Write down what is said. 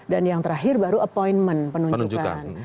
dan yang terakhir baru appointment penunjukan